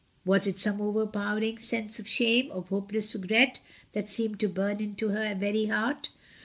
Was it some overpowering sense of shame, of hopeless regret, that seemed to burn into her very heart?